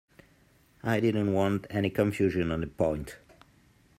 I didn't want any confusion on the point.